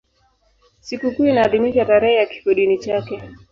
Sikukuu inaadhimishwa tarehe ya kifodini chake.